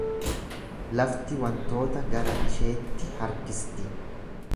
Lafti wantoota gara isheetti harkisti.